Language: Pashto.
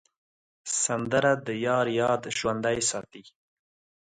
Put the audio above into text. سندره د یار یاد ژوندی ساتي